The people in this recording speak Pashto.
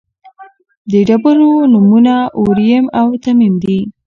د ډبرو نومونه اوریم او تمیم دي.